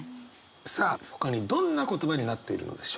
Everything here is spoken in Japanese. さあほかにどんな言葉になっているのでしょうか？